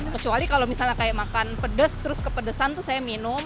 kecuali kalau misalnya kayak makan pedes terus kepedesan tuh saya minum